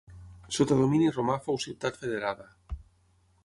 Sota domini romà fou ciutat federada.